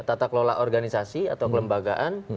tata kelola organisasi atau kelembagaan